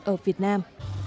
ở việt nam